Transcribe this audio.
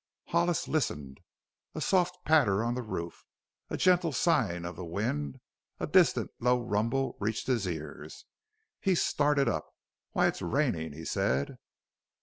Hollis listened. A soft patter on the roof, a gentle sighing of the wind, and a distant, low rumble reached his ears. He started up. "Why, it's raining!" he said.